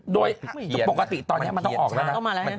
โดยปกติตอนนี้มันต้องออกแล้วนะ